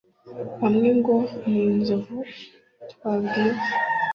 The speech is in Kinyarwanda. Bamwe ngo: "Ni inzovu twabwiwe!"